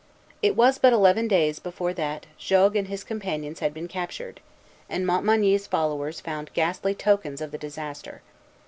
It was but eleven days before that Jogues and his companions had been captured, and Montmagny's followers found ghastly tokens of the disaster.